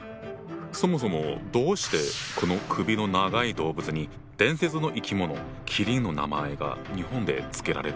そもそもどうしてこの首の長い動物に伝説の生き物麒麟の名前が日本で付けられたんだ？